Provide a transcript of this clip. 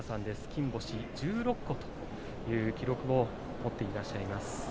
金星１６個という記録も持っていらっしゃいます。